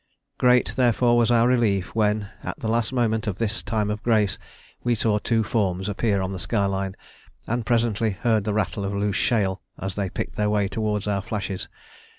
Great, therefore, was our relief when, at the last moment of this time of grace, we saw two forms appear on the skyline, and presently heard the rattle of loose shale as they picked their way towards our flashes.